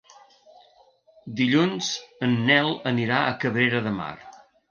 Dilluns en Nel anirà a Cabrera de Mar.